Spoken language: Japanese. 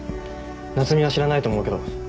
夏海は知らないと思うけど。